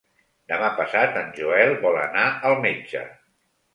Demà passat en Joel vol anar al metge.